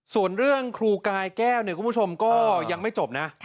ส่วนเรื่องครูกายแก้วเนี่ยคุณผู้ชมก็ยังไม่จบนะ